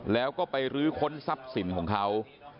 แล้วก็ไปรื้อค้นทรัพย์สินของเขา